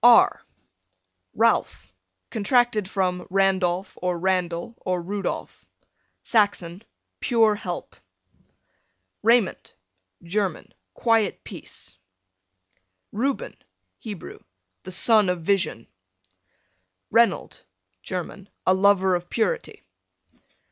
R Ralph, contracted from Randolph, or Randal, or Rudolph, Saxon, pure help. Raymond, German, quiet peace. Reuben, Hebrew, the son of vision. Reynold, German, a lover of purity.